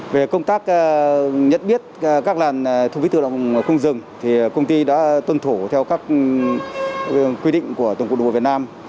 về công tác nhận biết các làn thu phí tự động không dừng thì công ty đã tuân thủ theo các quy định của tổng cục đường bộ việt nam